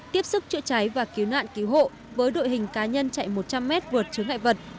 tiếp sức chữa cháy và cứu nạn cứu hộ với đội hình cá nhân chạy một trăm linh m vượt chứa ngại vật